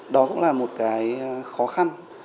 đó cũng là một cái khó khăn